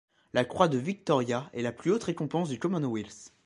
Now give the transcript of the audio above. La croix de Victoria est la plus haute récompense du Commonwealth.